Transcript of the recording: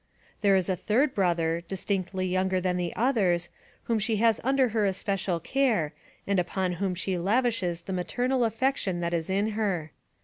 There is a third brother, distinctly younger than the others, whom she has under her especial care and upon whom she lavishes the maternal affection that is in her.